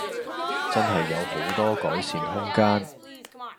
真係有好多改善空間